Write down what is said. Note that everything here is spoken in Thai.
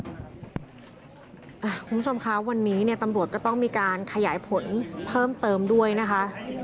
คุณผู้ชมคะวันนี้เนี่ยตำรวจก็ต้องมีการขยายผลเพิ่มเติมด้วยนะคะ